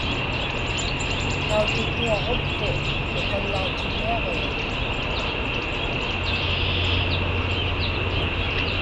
Taututuaġupku uqallautiniaġiga.